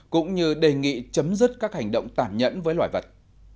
cũng như đề nghị chấm dứt các hành động tảm nhẫn với loài vật